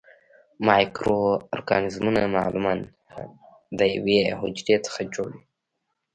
مایکرو ارګانیزمونه معمولاً د یوې حجرې څخه جوړ وي.